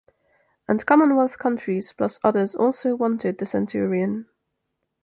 And Commonwealth countries plus others also wanted the Centurion.